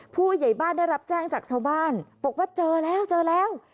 ผู้ใหญ่บ้านได้รับแจ้งจากชาวบ้านบอกว่าเจอแล้วเจอแล้ว